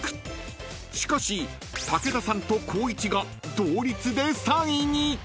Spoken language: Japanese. ［しかし武田さんと光一が同率で３位に］